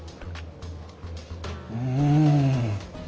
うん。